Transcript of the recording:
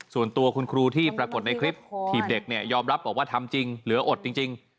ส่วนตัวคุณครูที่ปรากฏในคลิปถีบเด็กเนี่ยยอมรับบอกว่าทำจริงเหลืออดจริง